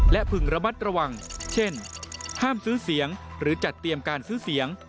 และพึงระมัดระวังเช่นห้ามซื้อเสียงหรือจัดเตรียมการซื้อเสียง